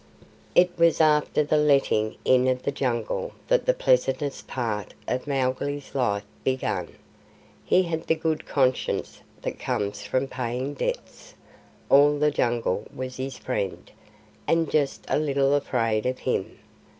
It was after the letting in of the Jungle that the pleasantest part of Mowgli's life began. He had the good conscience that comes from paying debts; all the Jungle was his friend, and just a little afraid of him.